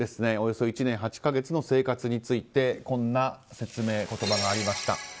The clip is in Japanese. およそ１年８か月の生活についてこんな説明、言葉がありました。